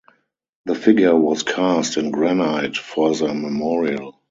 The figure was cast in granite for the memorial.